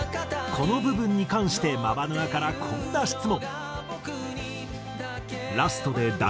この部分に関してｍａｂａｎｕａからこんな質問。